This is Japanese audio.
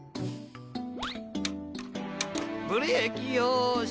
ブレーキよし。